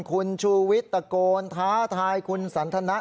คุณชูวิทย์ตะโกนท้าทายคุณสันทนะ